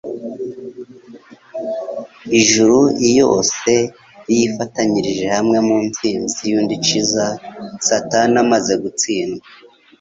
Ijuru iyose iyifatanyirije hamwe mu nsinzi y'Unndciza. Satani amaze gutsindwa,